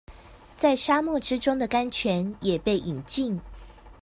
在沙漠之中的甘泉也被飲盡